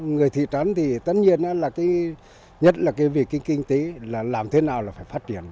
người thị trấn thì tất nhiên là cái nhất là cái việc kinh tế là làm thế nào là phải phát triển